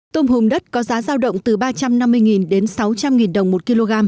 tôm hùm đất có giá giao động từ ba trăm năm mươi đến sáu trăm linh đồng một kg